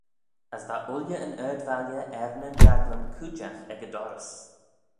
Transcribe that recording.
As va ooilley yn ard-valley er nyn jaglym cooidjagh ec y dorrys.